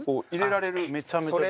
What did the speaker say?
めちゃめちゃ便利。